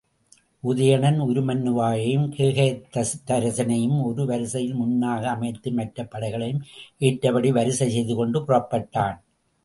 உதயணன், உருமண்ணுவாவையும் கேகயத் தரசனையும் ஒரு வரிசையில் முன்னாக அமைத்து மற்றப் படைகளையும் ஏற்றபடி வரிசை செய்துகொண்டு புறப்பட்டான்.